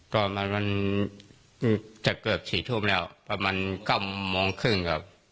ก่อนมันจะเกือบ๔ทุ่มแล้วประมาณ๙โมงครึ่งครับ